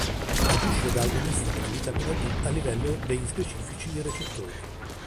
Agisce da agonista della vitamina D a livello dei specifici recettori.